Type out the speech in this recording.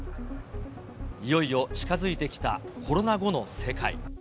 いよいよ近づいてきたコロナ後の世界。